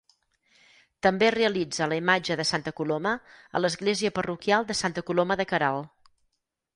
També realitza la imatge de Santa Coloma a l'església parroquial de Santa Coloma de Queralt.